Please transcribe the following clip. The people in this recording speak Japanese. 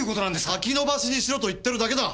先延ばしにしろと言ってるだけだ。